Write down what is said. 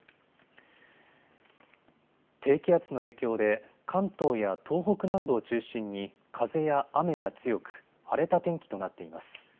低気圧の影響で関東や東北南部を中心に風や雨が強く、荒れた天気となっています。